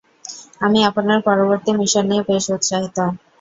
আমি আপনার পরবর্তী মিশন নিয়ে বেশ উৎসাহিত।